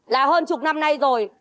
là hơn chục năm nay rồi